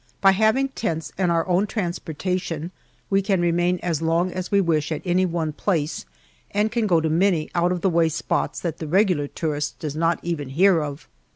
By having tents and our own transportation we can remain as long as we wish at any one place, and can go to many out of the way spots that the regular tourist does not even hear of.